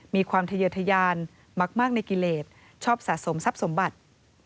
มีความทะเยอทยานมากในกิเลสชอบสะสมทรัพย์สมบัติ